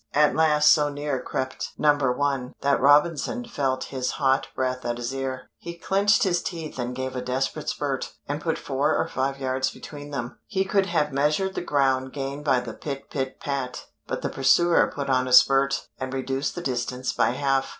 At last so near crept No. 1 that Robinson felt his hot breath at his ear. He clinched his teeth and gave a desperate spurt, and put four or five yards between them; he could have measured the ground gained by the pit pit pat. But the pursuer put on a spurt, and reduced the distance by half.